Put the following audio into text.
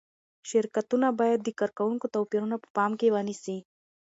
شرکتونه باید د کارکوونکو توپیرونه په پام کې ونیسي.